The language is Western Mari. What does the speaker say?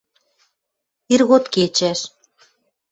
Иргод кечӓш